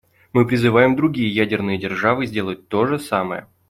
Мы призываем другие ядерные державы сделать то же самое.